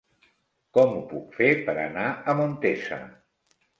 Com ho puc fer per anar a Montesa?